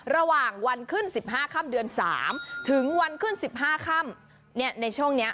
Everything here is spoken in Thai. ระหว่างวันขึ้นสิบห้าค่ำเดือน๓ถึงวันขึ้นสิบห้าค่ำ